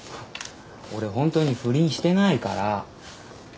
俺ホントに不倫してないから。